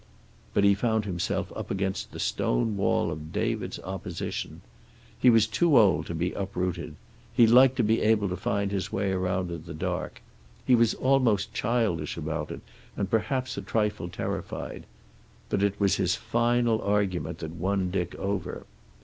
But he found himself up against the stone wall of David's opposition. He was too old to be uprooted. He liked to be able to find his way around in the dark. He was almost childish about it, and perhaps a trifle terrified. But it was his final argument that won Dick over.